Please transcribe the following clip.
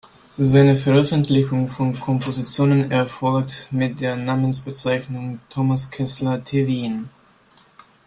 Seine Veröffentlichung von Kompositionen erfolgt mit der Namensbezeichnung "Thomas Kessler-Teveen".